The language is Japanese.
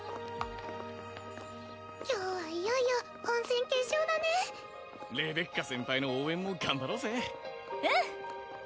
今日はいよいよ本戦決勝だねレベッカ先輩の応援も頑張ろうぜうん！